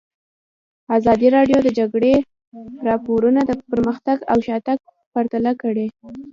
ازادي راډیو د د جګړې راپورونه پرمختګ او شاتګ پرتله کړی.